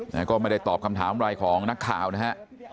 แต่ก็ไม่ได้ตอบคำถามอะไรของนักข่าวนะฮะ